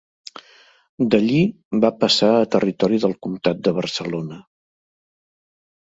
D'allí va passar a territori del comtat de Barcelona.